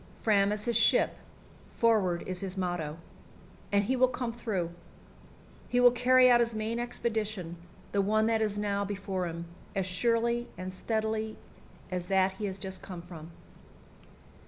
Fram is his ship, "forward" is his motto, and he will come through. He will carry out his main expedition, the one that is now before him, as surely and steadily as that he has just come from.